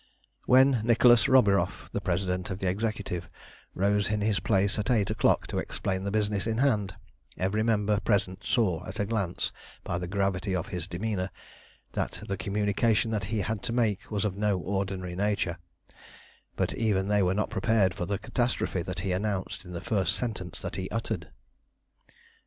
When Nicholas Roburoff, the President of the Executive, rose in his place at eight o'clock to explain the business in hand, every member present saw at a glance, by the gravity of his demeanour, that the communication that he had to make was of no ordinary nature, but even they were not prepared for the catastrophe that he announced in the first sentence that he uttered.